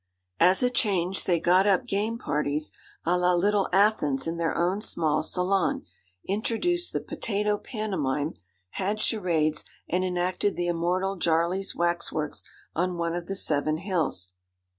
As a change they got up game parties à la Little Athens in their own small salon, introduced the Potatoe Pantomime, had charades, and enacted the immortal Jarley's waxworks on one of the Seven Hills.